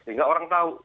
sehingga orang tahu